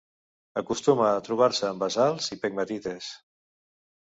Acostuma a trobar-se en basalts i pegmatites.